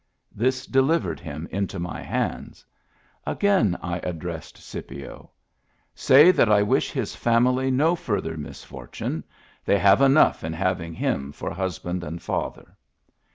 This delivered him into my hands. Again I addressed Scipio. " Say that I wish his family no further misfortune ; they have enough in hav ing him for husband and father."